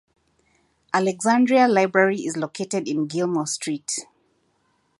Alexandria Library is located on Gilmour Street.